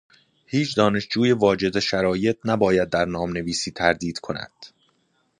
هیچ دانشجوی واجد شرایط نباید در نامنویسی تردید کند.